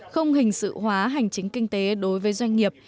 không hình sự hóa hành chính kinh tế đối với doanh nghiệp